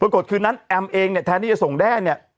คืนนั้นแอมเองเนี่ยแทนที่จะส่งแด้เนี่ย